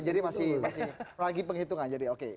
jadi masih lagi penghitungan jadi oke